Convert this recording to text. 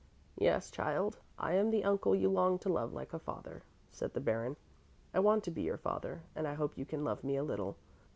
"Yes, child, I am the uncle you longed to love like a father," said the Baron. "I want to be your father and I hope you can love me a little.